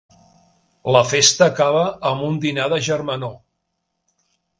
La festa acaba amb un dinar de germanor.